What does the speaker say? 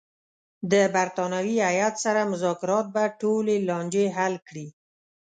د برټانوي هیات سره مذاکرات به ټولې لانجې حل کړي.